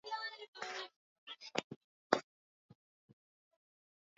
Udhibiti wa kimeta kwa binadamu